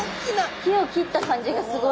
木を切った感じがすごい。